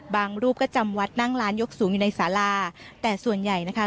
รูปก็จำวัดนั่งร้านยกสูงอยู่ในสาราแต่ส่วนใหญ่นะคะ